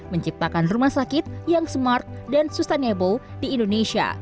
menciptakan rumah sakit yang smart dan sustainable di indonesia